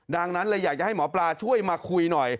ดังนั้นเลยอยากจะให้หมอปลาช่วยมาคุยหน่อย